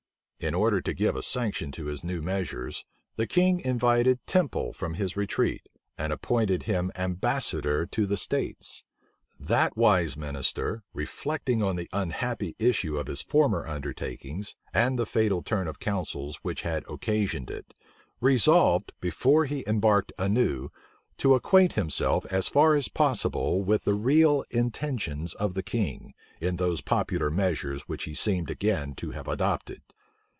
In order to give a sanction to his new measures, the king invited Temple from his retreat, and appointed him ambassador to the states. That wise minister, reflecting on the unhappy issue of his former undertakings, and the fatal turn of counsels which had occasioned it, resolved, before he embarked anew, to acquaint himself, as far as possible, with the real intentions of the king, in those popular measures which he seemed again to have adopted.